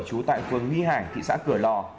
chú tại phường nghi hải thị xã cửa lò